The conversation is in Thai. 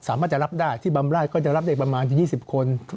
สามารถจะรับได้ที่บำราชก็จะรับได้ประมาณ๒๐คน